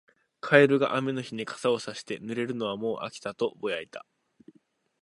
カエルが雨の日に傘をさして、「濡れるのはもう飽きた」とぼやいた。